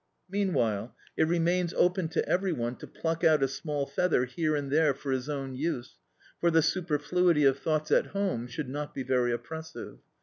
Meanwhile it remains open to every one to pluck out a small feather here and there for his own use, for the superfluity of thoughts at home should not be very oppressive.